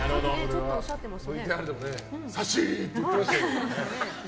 ＶＴＲでも、さっしー！って言ってましたよね。